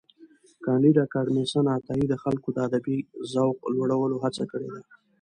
کانديد اکاډميسن عطایي د خلکو د ادبي ذوق لوړولو هڅه کړې ده.